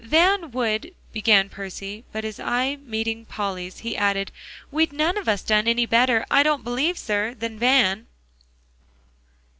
"Van would" began Percy, but his eye meeting Polly's he added, "We'd none of us done any better, I don't believe, sir, than Van."